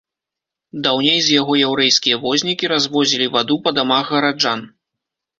Даўней з яго яўрэйскія вознікі развозілі ваду па дамах гараджан.